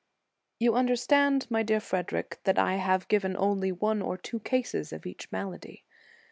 * You understand, my dear Frederic, that I have given only one or two cases of each malady.